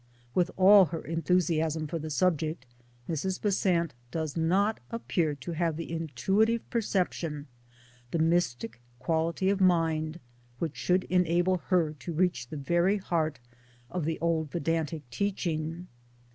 iWith all her enthusiasm for the subject, Mrs. Besant does not appear to have the intuitive perception, the mystic quality of mind, which should enable her to reach the very heart of the old Vedantic teaching.